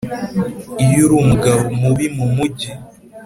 iyo uri umugabo mubi mumujyi